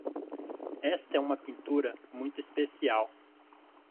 Esta é uma pintura muito especial